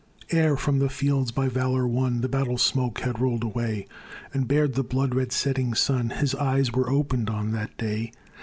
Ere from the fields by valor won The battle smoke had rolled away, And bared the blood red setting sun, His eyes were opened on the day.